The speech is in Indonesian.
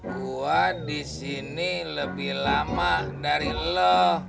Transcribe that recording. gua disini lebih lama dari lo